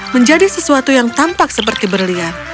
menjadi sesuatu yang tampak seperti berlian